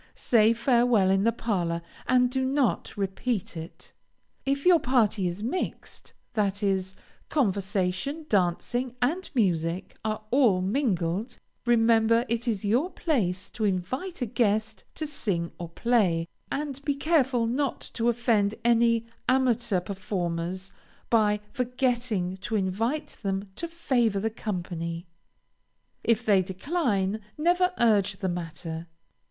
Say farewell in the parlor, and do not repeat it. If your party is mixed, that is, conversation, dancing, and music are all mingled, remember it is your place to invite a guest to sing or play, and be careful not to offend any amateur performers by forgetting to invite them to favor the company. If they decline, never urge the matter.